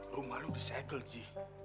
rumah lo di segel ji